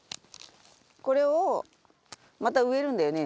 これを、また植えるんだよね？